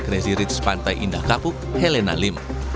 crazy rich pantai indah kapuk helena lim